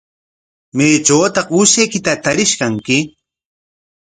¿Maytrawtaq uushaykitaqa tarish kanki?